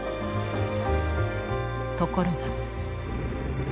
ところが。